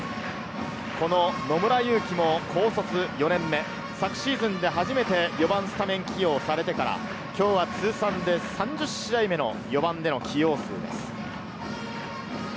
この野村佑希も高卒４年目、昨シーズンで初めて４番スタメン起用されてから、今日は通算で３０試合目の４番での起用数です。